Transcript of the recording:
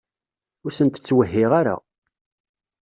Ur sent-ttwehhiɣ ara.